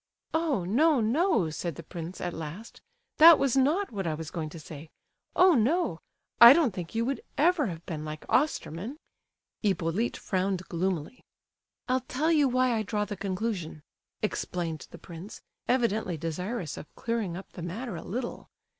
"Oh, no, no!" said the prince at last, "that was not what I was going to say—oh no! I don't think you would ever have been like Osterman." Hippolyte frowned gloomily. "I'll tell you why I draw the conclusion," explained the prince, evidently desirous of clearing up the matter a little.